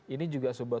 ini juga sebuah